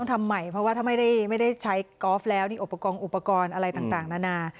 ทำใหม่เพราะว่าถ้าไม่ได้ใช้กอล์ฟแล้วนี่อุปกรณ์อุปกรณ์อะไรต่างนานา